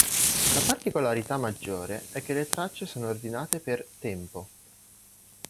La particolarità maggiore è che le tracce sono ordinate per "tempo".